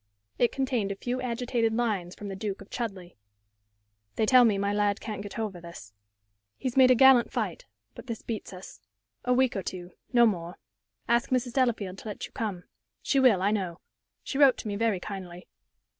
It contained a few agitated lines from the Duke of Chudleigh. "They tell me my lad can't get over this. He's made a gallant fight, but this beats us. A week or two no more. Ask Mrs. Delafield to let you come. She will, I know. She wrote to me very kindly.